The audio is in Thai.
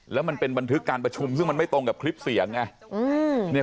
แล้วมันเป็นบันทึกการประชุมซึ่งมันไม่ตรงกับคลิปเสียงไง